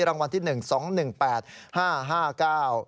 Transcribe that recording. รางวัลที่หนึ่งสองหนึ่งแปดห้าห้าเก้า